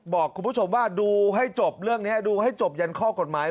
บอกคุณผู้ชมว่าดูให้จบเรื่องนี้ดูให้จบยันข้อกฎหมาย